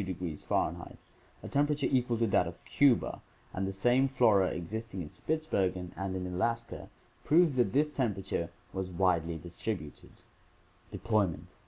— a temperature equal to that of Cuba — and the same flora existing in Spitsbergen and in Alaska proves that this temperature was widely distributed. Deployment.